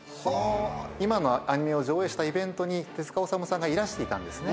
今のアニメを上映したイベントに手治虫さんがいらしていたんですね。